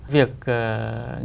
việc nghiên cứu